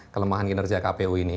kelemahan kinerja kpu ini